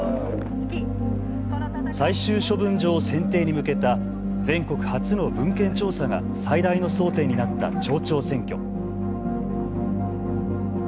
最終処分場選定に向けた全国初の文献調査が最大の争点になった町長選挙。